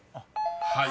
［はい。